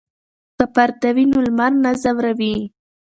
که پرده وي نو لمر نه ځوروي.